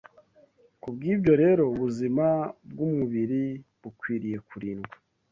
Kubw’ibyo rero, ubuzima bw’umubiri bukwiriye kurindwa